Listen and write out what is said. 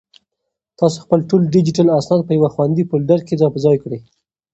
تاسو خپل ټول ډیجیټل اسناد په یو خوندي فولډر کې ځای پر ځای کړئ.